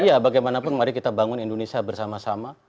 iya bagaimanapun mari kita bangun indonesia bersama sama